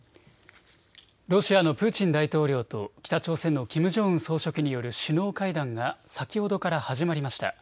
ロシアのプーチン大統領と北朝鮮のキム・ジョンウン総書記による首脳会談が先ほどから始まりました。